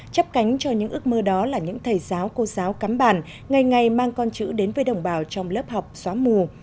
chấp cánh cho những ước mơ đó là những thầy giáo cô giáo cắm bàn ngày ngày mang con chữ đến với đồng bào trong lớp học xóa mù